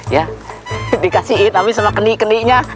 ya diberikan oleh saya dengan keni keninya